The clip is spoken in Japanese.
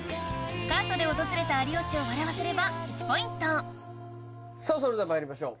カートで訪れた有吉を笑わせれば１ポイントさぁそれではまいりましょう。